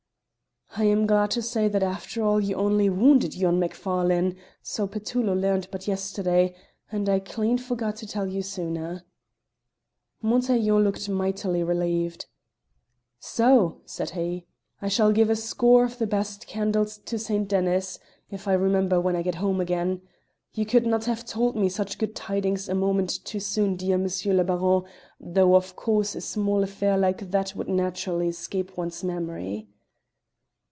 "I am glad to say that after all you only wounded yon Macfarlane; so Petullo learned but yesterday, and I clean forgot to tell you sooner." Montaiglon looked mightily relieved. "So!" said he; "I shall give a score of the best candles to St. Denys if I remember when I get home again. You could not have told me such good tidings a moment too soon, dear M. le Baron, though of course a small affair like that would naturally escape one's memory."